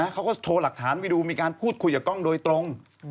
เขาก็โทรหลักฐานไปดูมีการพูดคุยกับกล้องโดยตรง